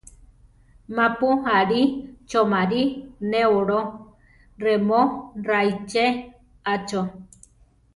Ma pu aʼlí choʼmarí neʼólo, remó raʼiche ‘a cho.